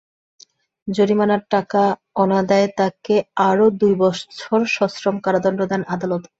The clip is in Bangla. জরিমানার টাকা অনাদায়ে তাঁকে আরও দুই বছর সশ্রম কারাদণ্ড দেন আদালত।